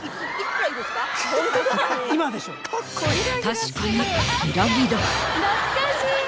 確かに。